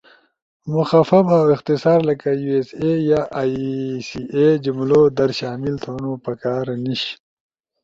مخفف اؤ اختصار لکہ ”یو ایس اے“ یا ”ائی سی اے“ جملؤ در شامل تھونو پکار نیِش۔